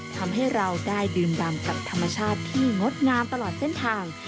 ทำให้เราได้ดื่มรำกับธรรมชาติที่งดงามตลอดเส้นทาง